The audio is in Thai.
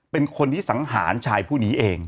เป็นคนที่สังหารชายผู้นี้เอง